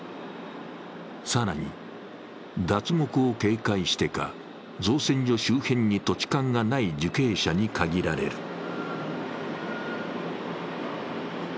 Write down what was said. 更に、脱獄を警戒してか、造船所周辺に土地勘がない受刑者に限られる。